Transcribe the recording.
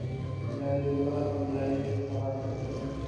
یا یې مړه او یا یې فرار کړل.